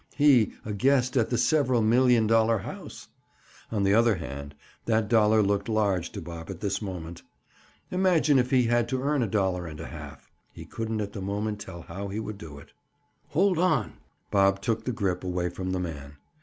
—he, a guest at the several million dollar house! On the other hand, that dollar looked large to Bob at this moment. Imagine if he had to earn a dollar and a half! He couldn't at the moment tell how he would do it. "Hold on." Bob took the grip away from the man.